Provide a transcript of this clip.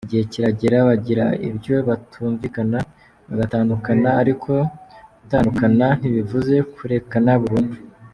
Igihe kiragera bagira ibyo batumvikanaho bagatandukana ariko gutandukana ntibivuze kurekana burundu.